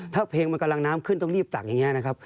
ถ้าเพลงมันกำลังน้ำขึ้นต้องรีบตักอย่างนี้นะครับ